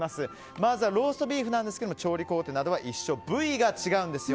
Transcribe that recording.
まずはローストビーフ調理工程などは一緒で部位が違うんです。